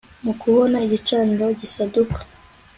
Mu kubona igicaniro gisaduka